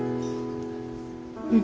うん。